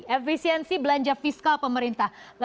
efisiensi belanja fiskal pemerintah